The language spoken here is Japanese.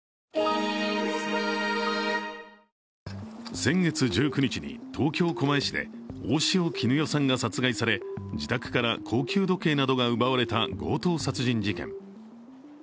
先月１９日に東京・狛江市で大塩衣与さんが殺害され自宅から高級時計などが奪われた強盗殺人事件。